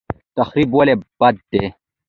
تخریب ولې بد دی؟